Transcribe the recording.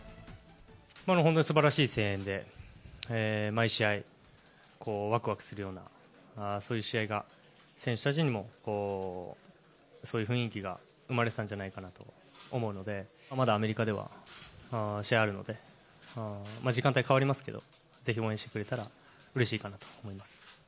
本当に素晴らしい声援で、毎試合、わくわくするような、そういう試合が選手たちにも、そういう雰囲気が生まれてたんじゃないかなと思うので、まだアメリカでは、試合があるので、時間帯変わりますけど、ぜひ応援してくれたらうれしいかなと思います。